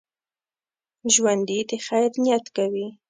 ژوندي د خیر نیت کوي